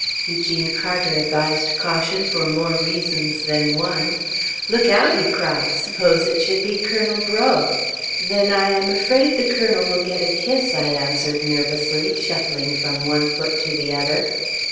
Eugene Carter advised caution for more reasons than one. "Look out!" he cried; "suppose it should be Colonel Breaux?" "Then I am afraid the Colonel will get a kiss," I answered nervously, shuffling from one foot to the other.